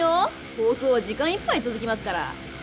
放送は時間いっぱい続きますから。